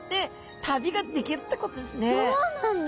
そうなんだ。